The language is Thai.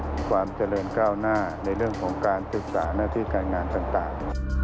ความเจริญก้าวหน้าในเรื่องของการศึกษาหน้าที่การงานต่าง